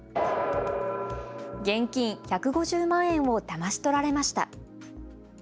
現金１５０万円をだまし取られました。